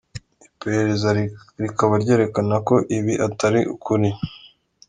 Iperereza rikaba ryerekana ko ibi atari ukuri.